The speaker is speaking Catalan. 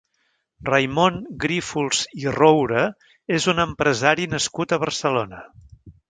Raimon Grífols i Roura és un empresari nascut a Barcelona.